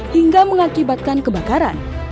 hingga mengakibatkan kebakaran